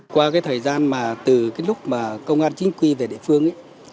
qua thời gian từ lúc công an chính quy về địa phương